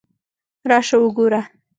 راشه وګوره!